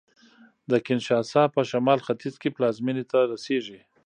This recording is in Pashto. د کینشاسا په شمال ختیځ کې پلازمېنې ته رسېږي